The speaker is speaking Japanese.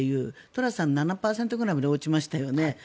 トラスさん７％くらいまで落ちましたよね。